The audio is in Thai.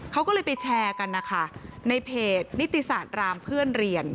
เขาก็เลยไปแชร์กันนะคะในเพจนิติศาสตร์รามเพื่อนเรียน